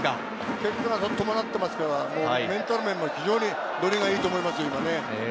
結果が伴ってますから、メンタル面もノリがいいと思いますよ、今ね。